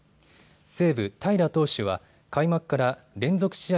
西武・平良投手は開幕から連続試合